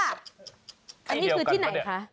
อันนี้คือที่ไหนคะ